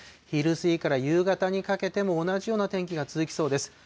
昼過ぎから夕方にかけても同じような天気が続きそうです。